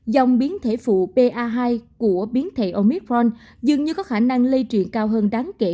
dòng biến thể phụ pa hai của biến thể omithron dường như có khả năng lây truyền cao hơn đáng kể